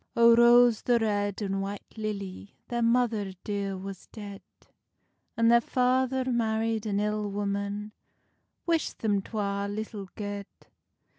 O ROSE the Red and White Lilly, Their mother dear was dead, And their father married an ill woman, Wishd them twa little guede.